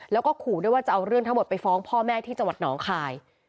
แล้วก็ขู่ด้วยว่าจะเอาเรื่องทั้งหมดไปฟ้องพ่อแม่ที่จังหวัดหนองคาย